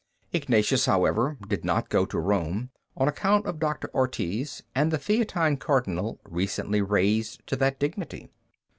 Ignatius, however, did not go to Rome on account of Doctor Ortiz and the Theatine Cardinal recently raised to that dignity.